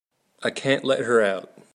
I can't let her out.